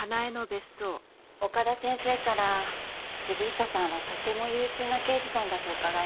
岡田先生から杉下さんはとても優秀な刑事さんだと伺いました。